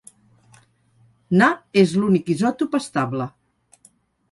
Na és l'únic isòtop estable.